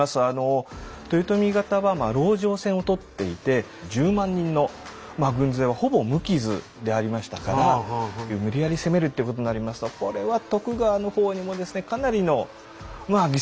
豊臣方は籠城戦を取っていて１０万人の軍勢はほぼ無傷でありましたから無理やり攻めるっていうことになりますとこれは徳川の方にもかなりの犠牲が出ると。